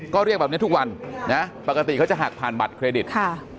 ก็เรียกแบบนี้ทุกวันนะปกติเขาจะหักผ่านบัตรเครดิตค่ะ